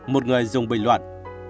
một người dùng bình luận